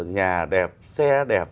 nhà đẹp xe đẹp